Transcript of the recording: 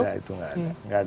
nggak ada itu nggak ada